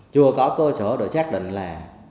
chưa có cơ sở để xác định là